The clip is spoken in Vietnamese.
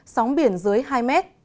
sóng biển dưới hai m